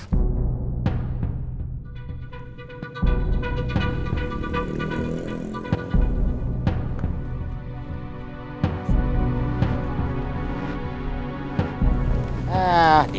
paket makanan buat bu andin